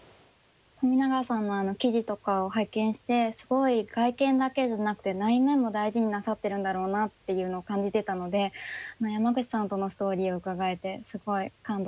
冨永さんの記事とかを拝見してすごい外見だけじゃなくて内面も大事になさってるんだろうなっていうのを感じてたので山口さんとのストーリーを伺えてすごい感動しました。